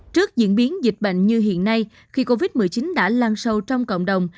trước diễn biến dịch bệnh như hiện nay khi covid một mươi chín đã lan sâu trong cộng đồng